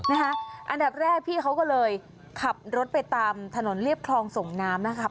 อันดับแรกพี่เขาก็เลยขับรถไปตามถนนเรียบคลองส่งน้ำนะครับ